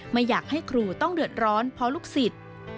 ไม่อยากให้ครูต้องเดือดร้อนเพราะลูกศิษย์